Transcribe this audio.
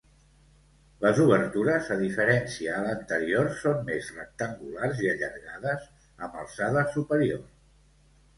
Les obertures a diferència a l'anterior són més rectangulars i allargades amb alçada superior.